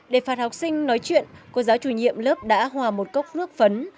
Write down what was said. để phạt học sinh nói chuyện cô giáo chủ nhiệm lớp đã hòa một cốc nước phấn